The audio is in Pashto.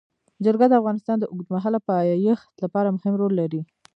جلګه د افغانستان د اوږدمهاله پایښت لپاره مهم رول لري.